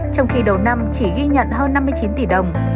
trong khi đầu năm chỉ ghi nhận hơn năm mươi chín tỷ đồng